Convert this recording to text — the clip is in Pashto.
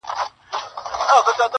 لا به مي څونه ژړوي د عمر توري ورځي!!